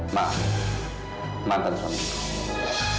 ma mantan suami ibu